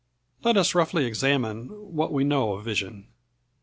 Let us roughly examine what we know of vision.